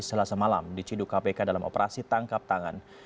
selasa malam diciduk kpk dalam operasi tangkap tangan